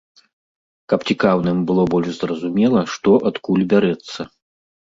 Каб цікаўным было больш зразумела, што адкуль бярэцца.